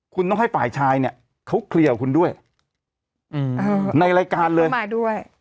คุณต้องให้ฝ่ายชายเนี่ยเขาเคลียร์กับคุณด้วยในรายการเลยที่มาด้วย